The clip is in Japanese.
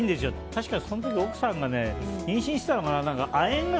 確かその時、奥さんが妊娠していたのかな。